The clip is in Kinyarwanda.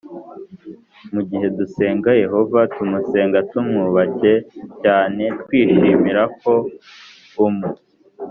Mu gihe dusenga yehova tumusenga tumwubashye cyane twishimira ko umu